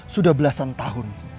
sudah belasan tahun